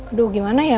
aduh gimana ya